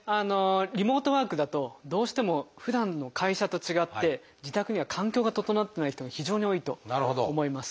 リモートワークだとどうしてもふだんの会社と違って自宅には環境が整ってない人も非常に多いと思います。